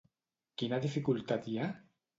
Quina dificultat hi ha?